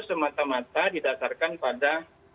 semata mata didasarkan pada